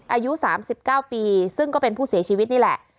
อายุ๓๙ปีซึ่งก็เป็นผู้เสียชีวิตนี่แหละ